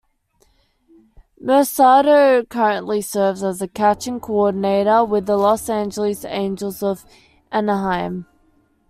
Mercado currently serves as a catching coordinator with the Los Angeles Angels of Anaheim.